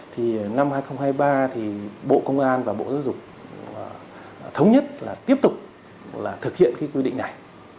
thì năm hai nghìn hai mươi ba thì bộ công an và bộ giáo dục thống nhất là tiếp tục là thực hiện cái quy định này